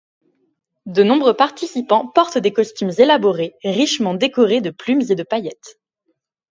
De nombreux participants portent des costumes élaborés, richement décorés de plumes et de paillettes.